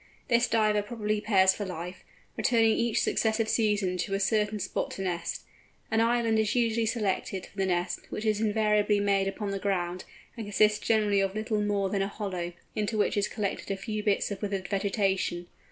This Diver probably pairs for life, returning each successive season to a certain spot to nest. An island is usually selected for the nest, which is invariably made upon the ground, and consists generally of little more than a hollow, into which is collected a few bits of withered vegetation.